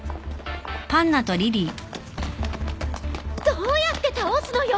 どうやって倒すのよ